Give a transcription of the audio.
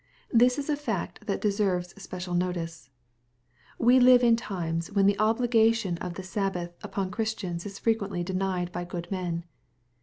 ''*""^ This is a fact that deserves special notice.f We live in times when the obligation of the Sabbath upon Christians is frequently denied by good men.